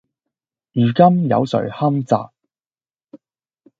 如今有誰堪摘﹖